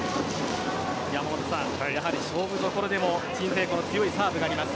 やはり勝負どころでも鎮西高校の強いサーブがあります。